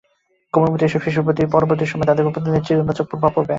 কোমলমতি এসব শিশুর প্রতি আচরণ পরবর্তী সময়ে তাদের ওপর নেতিবাচক প্রভাব পড়বে।